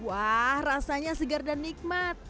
wah rasanya segar dan nikmat